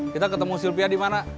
kita ketemu silvia dimana